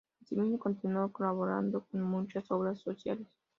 Asimismo, continuó colaborando en muchas obras sociales.